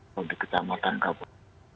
kalau di kecamatan kabupaten